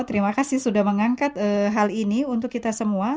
terima kasih sudah mengangkat hal ini untuk kita semua